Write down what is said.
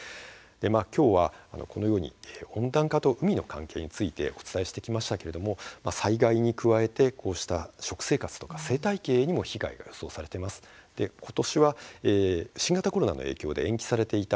きょうはこのように温暖化と海の関係についてお伝えしましたけれども災害に加えて、こうした食生活や生態系への被害が予想されています。